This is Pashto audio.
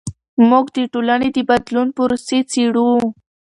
موږ د ټولنې د بدلون پروسې څیړو.